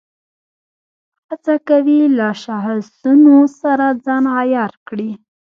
هڅه کوي له شاخصونو سره ځان عیار کړي.